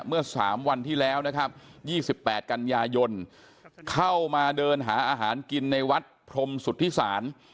เมื่อ๓วันที่แล้วนะครับ๒๘กันยายนเข้ามาเดินหาอาหารกินในวัดพรมสุธิศาล